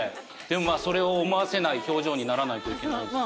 でもまあそれを思わせない表情にならないといけないし。